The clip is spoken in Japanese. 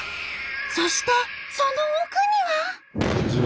そしてその奥には。